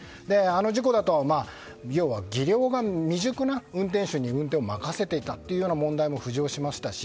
あの事故だと要は技量が未熟な運転手に運転を任せていたという問題も浮上しましたし